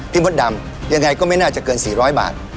มดดำยังไงก็ไม่น่าจะเกิน๔๐๐บาท